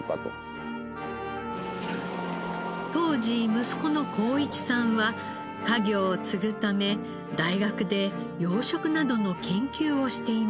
当時息子の晃一さんは家業を継ぐため大学で養殖などの研究をしていましたが。